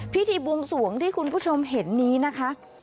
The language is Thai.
พิธีบวงสวงที่คุณผู้ชมเห็นนี้นะคะ